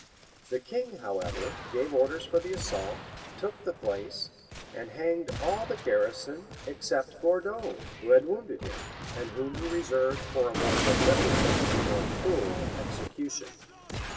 The king, however, gave orders for the assault, took the place, and hanged all the garrison, except Gourdon, who had wounded him, and whom he reserved for a more deliberate and more cruel execution.